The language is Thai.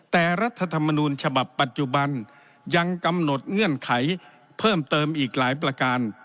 แต่รัฐธรรมนูญฉบับปัจจุบันยังกำหนดเงื่อนไขเพิ่มเติมอีกหลายประการ